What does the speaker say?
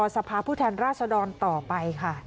สภาพผู้แทนราชดรต่อไปค่ะ